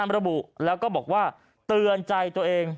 ระบุแล้วก็บอกว่าเตือนใจตัวเอง